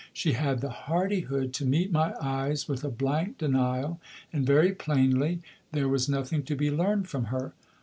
She had the hardihood to meet my eyes with a blank denial, and very plainly there was nothing to be learned from her.